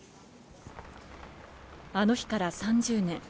あの日から３０年。